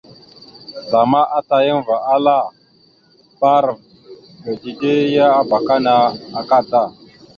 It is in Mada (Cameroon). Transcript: Zlama atayaŋva ala: « Bba arav ge dide ya abakana akada, ».